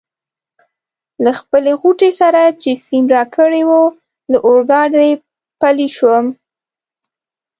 له خپلې غوټې سره چي سیم راکړې وه له اورګاډي پلی شوم.